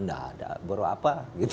tidak ada borok apa